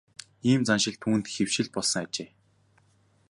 Ийм заншил түүнд хэвшил болсон ажээ.